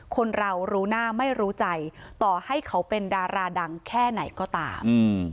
คนเรารู้หน้าไม่รู้ใจต่อให้เขาเป็นดาราดังแค่ไหนก็ตาม